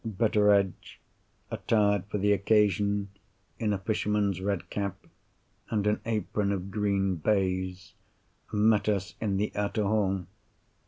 Betteredge, attired for the occasion in a fisherman's red cap, and an apron of green baize, met us in the outer hall.